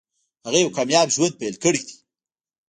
هغه یو کامیاب ژوند پیل کړی دی